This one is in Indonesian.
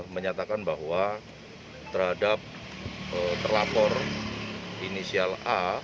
menyatakan bahwa terhadap terlapor inisial a